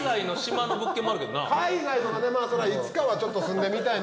海外とかねまあそらいつかはちょっと住んでみたいな。